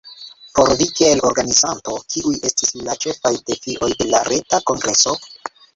Por vi kiel organizanto, kiuj estis la ĉefaj defioj de la reta kongreso?